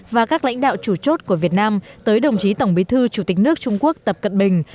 và các lãnh đạo chủ chốt của việt nam tới đồng chí tổng bí thư chủ tịch nước trung quốc tập cận bình